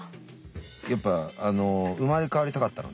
やっぱあの生まれ変わりたかったのね。